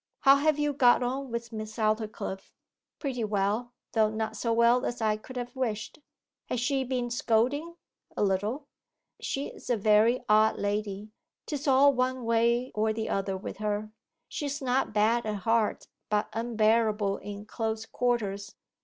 How have you got on with Miss Aldclyffe?' 'Pretty well though not so well as I could have wished.' 'Has she been scolding?' 'A little.' 'She's a very odd lady 'tis all one way or the other with her. She's not bad at heart, but unbearable in close quarters.